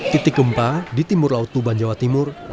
titik gempa di timur laut tuban jawa timur